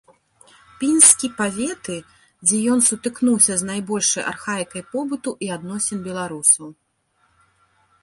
Пінскі паветы, дзе ён сутыкнуўся з найбольшай архаікай побыту і адносін беларусаў.